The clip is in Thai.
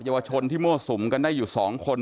เยาวชนที่มั่วสุมกันได้อยู่๒คน